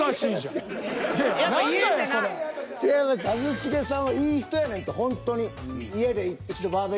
一茂さんはいい人やねんてほんとに。